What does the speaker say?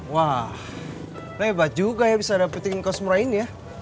wah lebat juga ya bisa dapetin cosmora ini ya